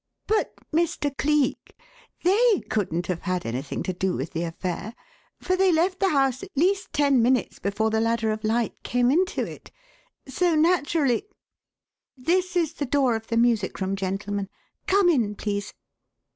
But Mr. Cleek! They couldn't have had anything to do with the affair, for they left the house at least ten minutes before the Ladder of Light came into it. So, naturally This is the door of the music room, gentlemen. Come in, please."